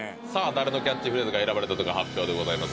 誰のキャッチフレーズが選ばれたのか発表でございます